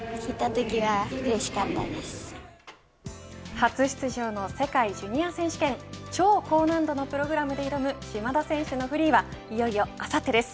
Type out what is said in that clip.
初出場の世界ジュニア選手権超高難度のプログラムで挑む島田選手のフリーはいよいよあさってです。